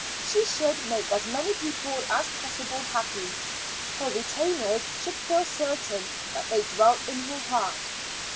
She should make as many people as possible happy. Her retainers should feel certain that they dwelt in her heart.